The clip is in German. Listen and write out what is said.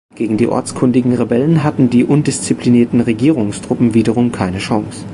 Gegen die ortskundigen Rebellen hatten die undisziplinierten Regierungstruppen wiederum keine Chance.